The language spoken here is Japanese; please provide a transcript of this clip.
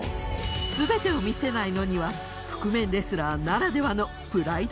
全てを見せないのには覆面レスラーならではのプライドがあるようだ。